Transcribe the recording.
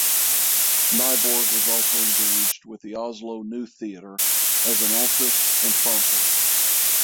Nyborg was also engaged with the Oslo New Theater as an actress and prompter.